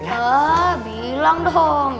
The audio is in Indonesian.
ah bilang dong